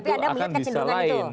tapi anda melihat kecenderungan itu